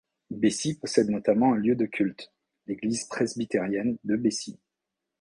Bessi possède notamment un lieu de culte, l’Église presbytérienne de Bessi.